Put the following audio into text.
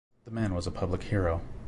The man was a public hero.